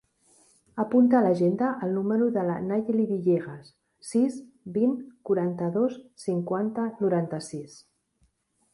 Apunta a l'agenda el número de la Nayeli Villegas: sis, vint, quaranta-dos, cinquanta, noranta-sis.